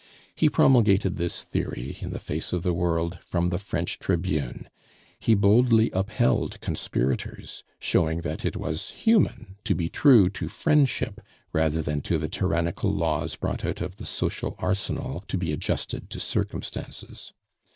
He promulgated this theory, in the face of the world, from the French tribune; he boldly upheld conspirators, showing that it was human to be true to friendship rather than to the tyrannical laws brought out of the social arsenal to be adjusted to circumstances.